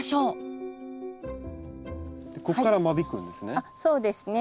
ここから間引くんですね。